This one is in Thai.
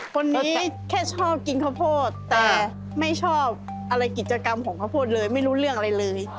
คนนี้แค่ชอบกินข้าวโพดแต่ไม่ชอบอะไรกิจกรรมของข้าวโพดเลยไม่รู้เรื่องอะไรเลย